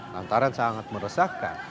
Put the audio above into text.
lantaran sangat meresahkan